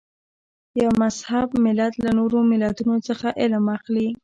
یو مهذب ملت له نورو ملتونو څخه علم اخلي.